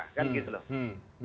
kan gitu loh